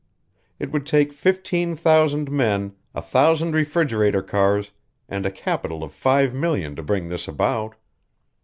It would take fifteen thousand men, a thousand refrigerator cars, and a capital of five million to bring this about.